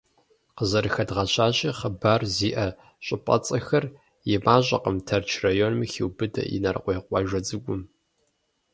Къызэрыхэдгъэщащи, хъыбар зиӏэ щӏыпӏэцӏэхэр и мащӏэкъым Тэрч районым хиубыдэ Инарыкъуей къуажэ цӏыкӏум.